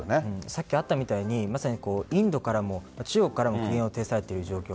さっきあったみたいにインドからも中国からも見放されている状況。